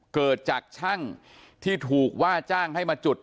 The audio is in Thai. เกิดจากช่างที่ถูกว่าจ้างให้มาจุด